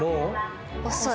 遅い。